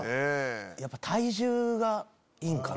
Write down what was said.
やっぱ体重がいいんかな？